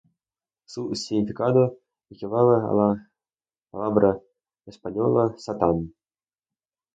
Su significado equivale a la palabra española Satán.